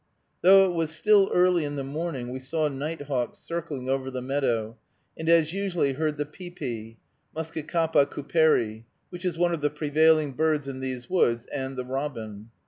Though it was still early in the morning, we saw nighthawks circling over the meadow, and as usual heard the pepe (Muscicapa Cooperi), which is one of the prevailing birds in these woods, and the robin.